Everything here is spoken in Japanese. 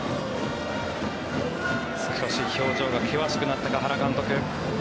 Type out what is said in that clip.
少し表情が険しくなったか原監督。